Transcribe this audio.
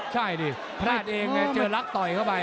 ใช่ดิพลาดเองไงเจอรักต่อยเข้าไป